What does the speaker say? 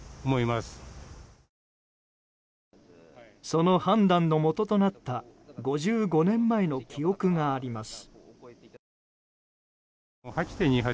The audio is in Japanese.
その判断のもととなった５５年前の記憶があります。